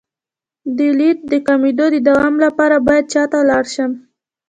د لید د کمیدو د دوام لپاره باید چا ته لاړ شم؟